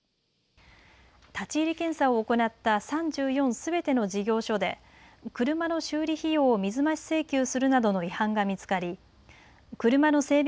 立ち入り検査を行った３４すべての事業所で車の修理費用を水増し請求するなどの違反が見つかり車の整備